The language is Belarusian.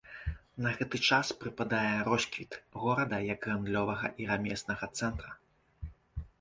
На гэты час прыпадае росквіт горада як гандлёвага і рамеснага цэнтра.